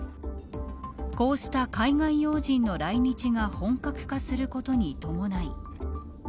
こうした海外要人の来日が本格化することに伴い。